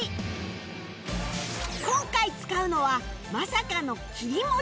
今回使うのはまさかの切り餅